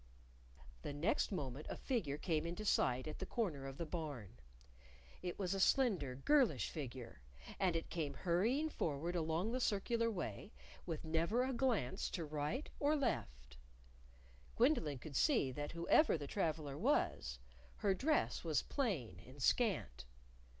The next moment a figure came into sight at a corner of the Barn. It was a slender, girlish figure, and it came hurrying forward along the circular way with never a glance to right or left. Gwendolyn could see that whoever the traveler was, her dress was plain and scant.